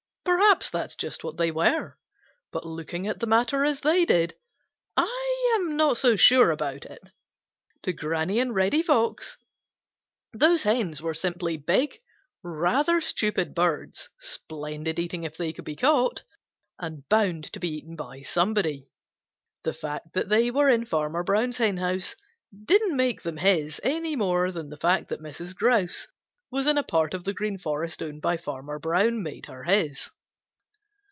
Perhaps that is just what they were. But looking at the matter as they did, I am not so sure about it. To Granny and Reddy Fox those hens were simply big, rather stupid birds, splendid eating if they could be caught, and bound to be eaten by somebody. The fact that they were in Farmer Brown's henhouse didn't make them his any more than the fact that Mrs. Grouse was in a part of the Green Forest owned by Farmer Brown made her his.